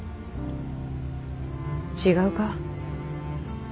違うか？